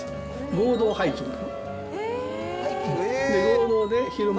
合同ハイキング。